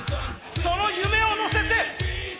その夢を乗せて。